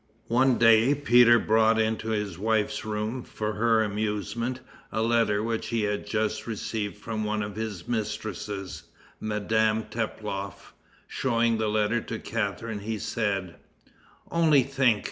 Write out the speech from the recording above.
One day Peter brought into his wife's room, for her amusement, a letter which he had just received from one of his mistresses, Madame Teploff. Showing the letter to Catharine, he said, "Only think!